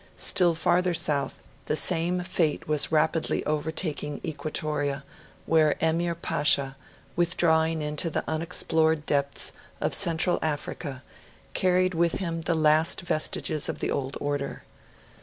Still farther south the same fate was rapidly overtaking Equatoria, where Emir Pasha, withdrawing into the unexplored depths of Central Africa, carried with him the last vestiges of the old order.